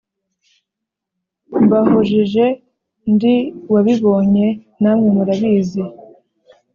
mbahojeje ndi uwabibonye namwe murabizi,